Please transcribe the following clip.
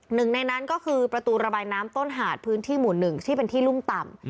หนึ่งในนั้นก็คือประตูระบายน้ำต้นหาดพื้นที่หมู่หนึ่งที่เป็นที่รุ่มต่ำ